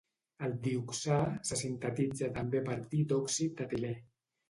El dioxà se sintetitza també a partir d'òxid d'etilè.